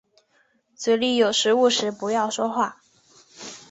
嘴里有食物时不要说话。